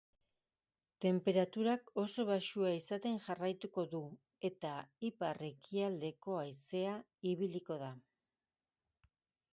Tenperaturak oso baxua izaten jarraituko du eta ipar-ekialdeko haizea ibiliko da.